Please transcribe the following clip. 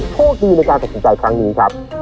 โชคดีในการตัดสินใจครั้งนี้ครับ